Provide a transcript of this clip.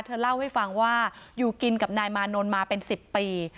เธอเล่าให้ฟังว่าอยู่กินกับนายมานนท์มาเป็น๑๐ปี